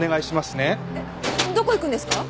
えっどこ行くんですか？